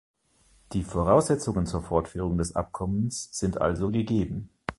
Die Voraussetzungen zur Fortführung des Abkommens sind also gegeben.